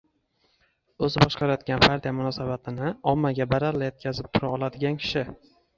o‘zi boshqarayotgan partiya munosabatini ommaga baralla yetkazib tura oladigan kishi